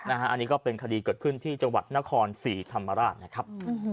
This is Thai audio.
อันนี้ก็เป็นคดีเกิดขึ้นที่จังหวัดนครศรีธรรมราชนะครับ